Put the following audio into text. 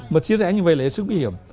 mà chia rẽ như vậy là hệ sức bí hiểm